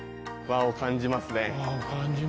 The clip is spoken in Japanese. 和を感じますね。